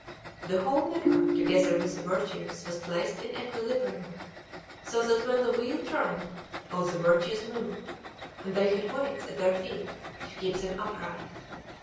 The whole mirror, together with the Virtues, was placed in equilibrium, so that when the wheel turned, all the Virtues moved, and they had weights at their feet which kept them upright.